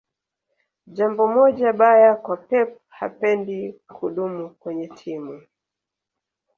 jambo moja baya kwa pep hapendi kudumu kwenye timu